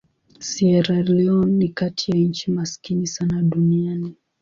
Sierra Leone ni kati ya nchi maskini sana duniani.